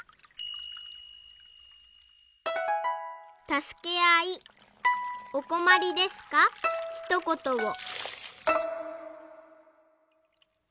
「たすけあいおこまりですかひとことを」。